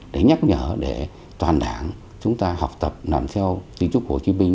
để nhắc nhở để toàn đảng chúng ta học tập làm theo di trúc hồ chí minh